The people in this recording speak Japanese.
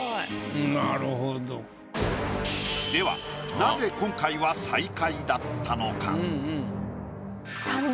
ではなぜ今回は最下位だったのか？